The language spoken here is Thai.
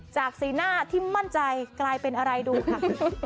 สีหน้าที่มั่นใจกลายเป็นอะไรดูค่ะ